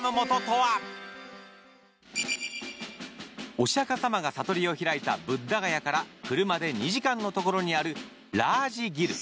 お釈迦様が悟りを開いたブッダガヤから車で２時間のところにあるラージギル。